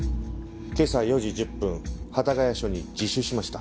今朝４時１０分幡ヶ谷署に自首しました。